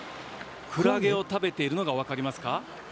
クラゲを食べているのが分かりますか？